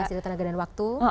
masih ada tenaga dan waktu